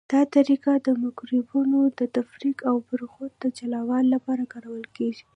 دا طریقه د مکروبونو د تفریق او برخو د جلاوالي لپاره کارول کیږي.